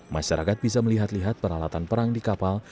masyarakat bisa melihat lihat peralatan perang di kapal